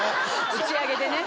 打ち上げでね。